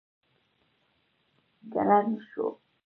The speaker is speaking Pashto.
ګررر شو.